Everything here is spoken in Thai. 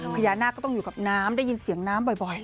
พญานาคก็ต้องอยู่กับน้ำได้ยินเสียงน้ำบ่อย